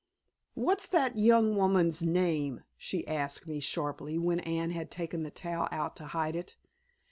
"What's that young woman's name?" she asked me sharply, when Anne had taken the towel out to hide it.